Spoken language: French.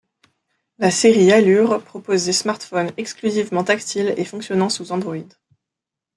La série Allure propose des smartphones exclusivement tactiles et fonctionnant sous Android.